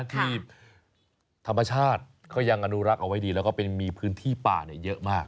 ที่ธรรมชาติเขายังอนุรักษ์เอาไว้ดีแล้วก็มีพื้นที่ป่าเยอะมาก